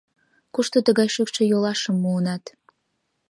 Кушто тыгай шӱкшӧ йолашым муынат?